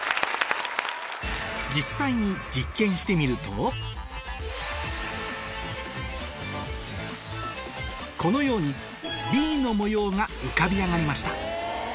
実際にこのようにＢの模様が浮かび上がりました